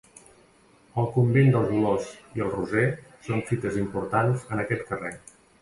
El convent dels Dolors i el Roser són fites importants en aquest carrer.